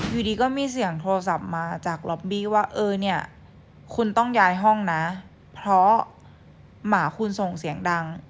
อยู่ดีก็มีเสียงโทรศัพท์มาจากล็อบบี้ว่าเออเนี่ยคุณต้องย้ายห้องนะเพราะหมาคุณส่งเสียงดัง